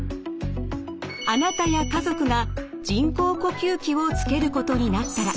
あなたや家族が人工呼吸器をつけることになったら。